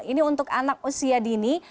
ini untuk anak usia dini